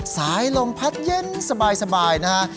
สายลงพัดเย็นสบายนะครับ